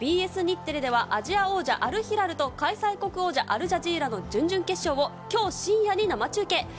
ＢＳ日テレではアジア王者アルヒラルと開催国王者アルジャジーラの準々決勝を今日深夜に生中継。